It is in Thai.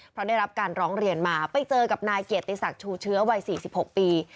เพราะได้รับการร้องเรียนมาไปเจอกับนายเกียรติศักดิ์ชูเชื้อวัย๔๖ปี